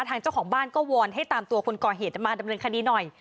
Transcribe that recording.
ทางเจ้าของบ้านก็วอนให้ตามตัวคนก่อเหตุมาดำเนินคดีหน่อย